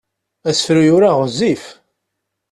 Asefru yura ɣezzif.